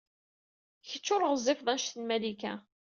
Kecc ur ɣezzifeḍ anect n Malika.